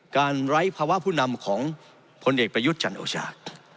ไร้ภาวะผู้นำของพลเอกประยุทธ์จันโอชา